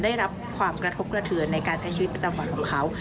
ได้รับความกระทบกระเทือนในการใช้ชีวิตประจำวันของเขา